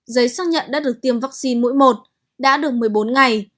giấy xác nhận đã được tiêm vaccine mũi một đã được một mươi bốn ngày